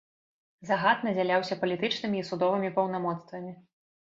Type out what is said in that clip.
Загад надзяляўся палітычнымі і судовымі паўнамоцтвамі.